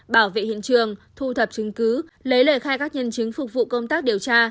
bảo vệ hiện trường thu thập chứng cứ lấy lời khai các nhân chứng phục vụ công tác điều tra